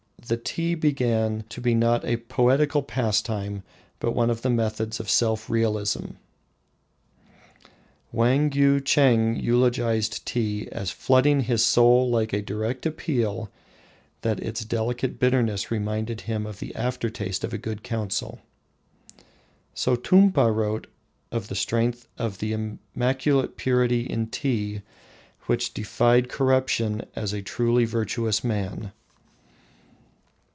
The tea began to be not a poetical pastime, but one of the methods of self realisation. Wangyucheng eulogised tea as "flooding his soul like a direct appeal, that its delicate bitterness reminded him of the aftertaste of a good counsel." Sotumpa wrote of the strength of the immaculate purity in tea which defied corruption as a truly virtuous man.